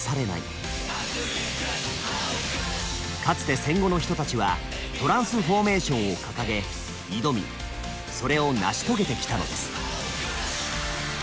かつて戦後の人たちはトランスフォーメーションを掲げ挑みそれを成し遂げてきたのです。